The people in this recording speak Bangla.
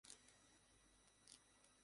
মনে হচ্ছে আমি বিগ বসের ঘরে আছি।